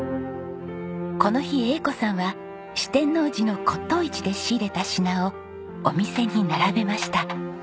この日栄子さんは四天王寺の骨董市で仕入れた品をお店に並べました。